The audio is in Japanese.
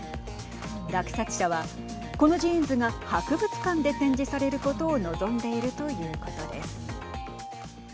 落札者は、このジーンズが博物館で展示されることを望んでいるということです。